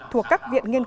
thuộc các viện nghiên cứu